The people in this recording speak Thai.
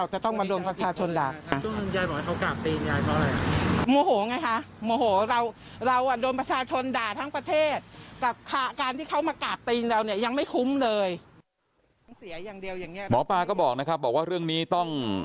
หมอปลาก็บอกนะครับบอกว่าเรื่องนี้ต้อง